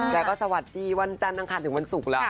แล้วก็สวัสดีวันจันทร์ถึงวันศุกร์แล้ว